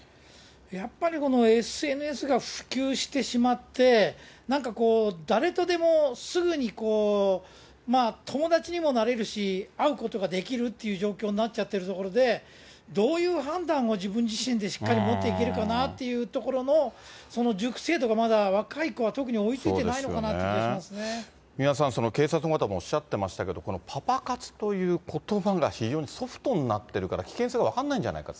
やっぱり、このＳＮＳが普及してしまって、なんかこう、誰とでもすぐに友達にもなれるし、会うことができるっていう状況になっちゃってるところで、どういう判断を自分自身でしっかり持っていけるかなっていうところの、その熟成度がまだ若い子は特に追いついてないのかなって気三輪さん、警察の方もおっしゃってましたけど、パパ活ということばが、非常にソフトになってるから、危険性が分からないんじゃないかと。